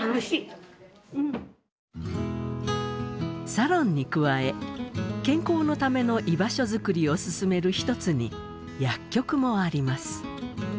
サロンに加え健康のための居場所作りを進める一つに薬局もあります。